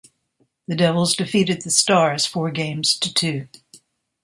The Devils defeated the Stars, four games to two.